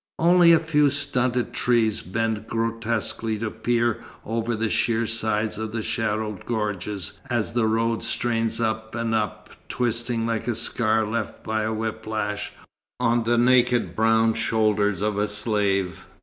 Only a few stunted trees bend grotesquely to peer over the sheer sides of shadowed gorges as the road strains up and up, twisting like a scar left by a whip lash, on the naked brown shoulders of a slave.